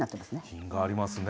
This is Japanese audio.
品がありますね。